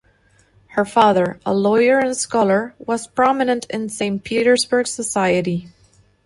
Her father, a lawyer and scholar, was prominent in Saint Petersburg society.